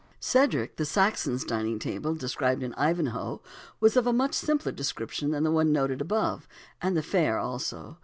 Cedric the Saxon's dining table, described in Ivanhoe, was of a much simpler description than the one noted above; and the fare also.